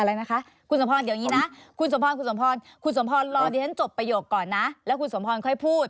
อะไรนะคะคุณสมพรเดี๋ยวนี้นะคุณสมพรคุณสมพรคุณสมพรรอดิฉันจบประโยคก่อนนะแล้วคุณสมพรค่อยพูด